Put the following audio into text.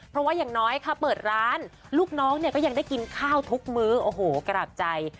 เพราะว่าอย่างน้อยค่ะเปิดร้านลูกน้องเนี่ยก็ยังได้กินข้าวทุกมื้อโอ้โหกราบใจ